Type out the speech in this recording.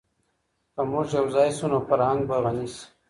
که موږ یو ځای سو نو فرهنګ به غني سي.